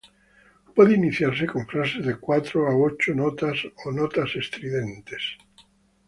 Puede iniciarse con frases de cuatro a ocho notas o notas estridentes.